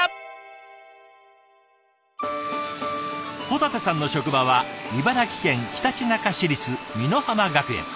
保立さんの職場は茨城県ひたちなか市立美乃浜学園。